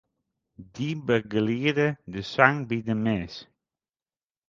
Dy begelieden de sang by de mis.